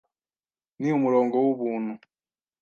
Ni umurongo w'ubuntu